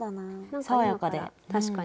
爽やかで確かに。